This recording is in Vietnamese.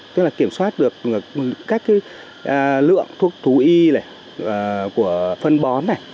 tức là kiểm soát được các lượng thuốc thú y của phân bón này